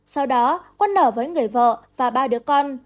sau đó quân nở với người vợ và ba đứa con